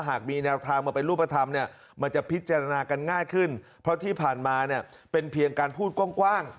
หากมีแนวทางมาเป็นรูปธรรมเนี่ยมันจะพิจารณากันง่ายขึ้นเพราะที่ผ่านมาเนี่ยเป็นเพียงการพูดกว้าง